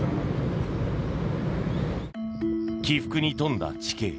起伏に富んだ地形。